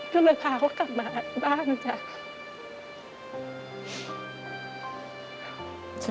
ก็เลยพาเขากลับมาอภัยบ้านได้จ๊ะ